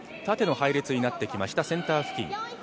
縦の配列になってきました、センター付近。